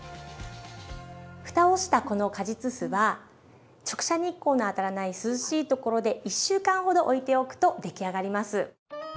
ふたをしたこの果実酢は直射日光の当たらない涼しいところで１週間ほどおいておくと出来上がります。